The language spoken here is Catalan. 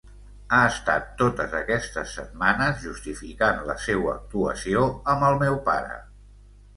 Ha estat totes aquestes setmanes justificant la seua actuació amb el meu pare.